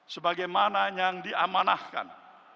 sebagaimana yang diamanahkan